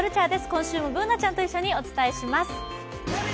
今週もＢｏｏｎａちゃんと一緒にお伝えします。